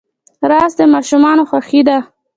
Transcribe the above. رس د ماشومانو خوښي ده